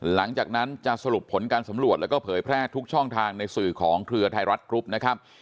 หลังจากนั้นจะสรุปผลการสำรวจแล้วก็เผยแพร่ทุกช่องทางในสื่อของเครือไทยรัฐกรุ๊ปนะครับ